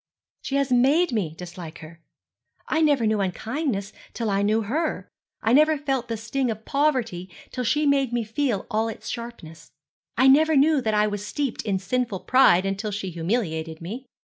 'She has made me dislike her. I never knew unkindness till I knew her. I never felt the sting of poverty till she made me feel all its sharpness. I never knew that I was steeped in sinful pride until she humiliated me.'